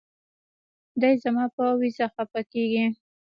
دے زما پۀ وېزه خفه کيږي